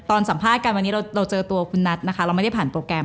สัมภาษณ์กันวันนี้เราเจอตัวคุณนัทนะคะเราไม่ได้ผ่านโปรแกรม